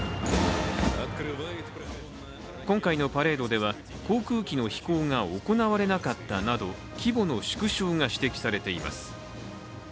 今回のパレードでは航空機の飛行が行われなかったなど規模の縮小が指摘されています。